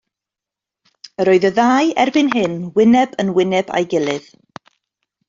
Yr oedd y ddau erbyn hyn wyneb yn wyneb a'i gilydd.